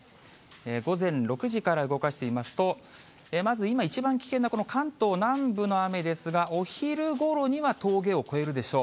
午前６時から動かしてみますと、まず今、一番危険なこの関東南部の雨ですが、お昼ごろには峠を越えるでしょう。